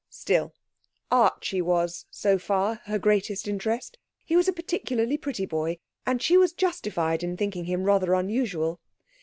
Still, Archie was, so far, her greatest interest. He was a particularly pretty boy, and she was justified in thinking him rather unusual.